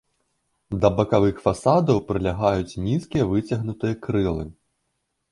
Да бакавых фасадаў прылягаюць нізкія выцягнутыя крылы.